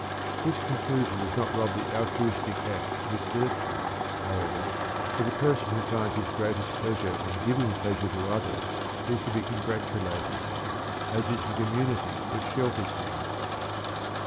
This conclusion does not rob the altruistic act of its virtue, however, for the person who finds his greatest pleasure in giving pleasure to others is to be congratulated as is the community which shelters him.